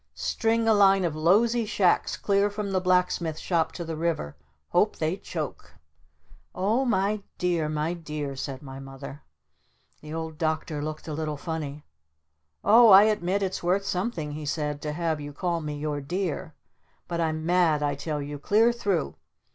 String a line of lowsy shacks clear from the Blacksmith Shop to the river! Hope they choke!" "Oh my dear my dear!" said my Mother. The Old Doctor looked a little funny. "Oh I admit it's worth something," he said, "to have you call me your 'dear.' But I'm mad I tell you clear through.